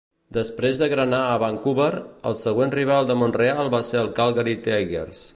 Després d'agranar a Vancouver, el següent rival de Montreal va ser els Calgary Tigers.